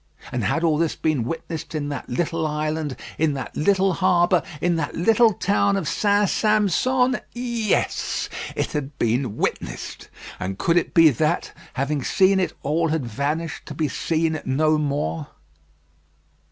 And had all this been witnessed in that little island, in that little harbour, in that little town of St. Sampson? Yes; it had been witnessed. And could it be that, having seen it, all had vanished to be seen no more.